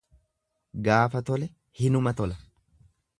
Gaafa tole hinuma tola.